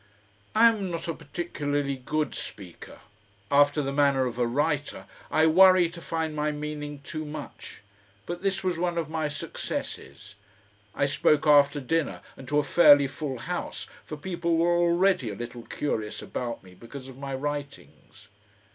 I am not a particularly good speaker; after the manner of a writer I worry to find my meaning too much; but this was one of my successes. I spoke after dinner and to a fairly full House, for people were already a little curious about me because of my writings.